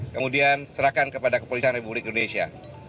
kemudian serahkan kepada kepolisian republik indonesia